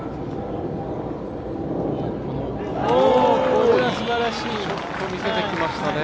これはすばらしいショット見せてきましたね。